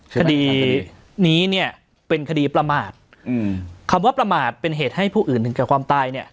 คดีนี้เนี่ยเป็นคดีประมาทคำว่าประมาทเป็นเหตุให้ผู้อื่นถึงแก่ความตายเนี่ย